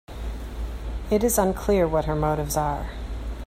It is unclear what her motives are.